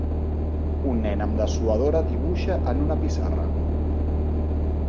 Un nen amb dessuadora dibuixa en una pissarra.